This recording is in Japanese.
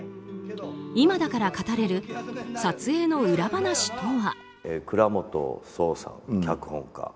今だから語れる撮影の裏話とは。